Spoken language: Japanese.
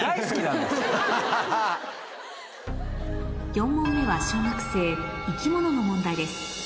４問目は小学生生き物の問題です